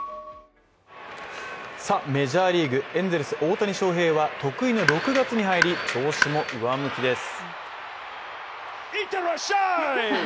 メジャーリーグ、エンゼルス・大谷翔平は得意の６月に入り調子も上向きです。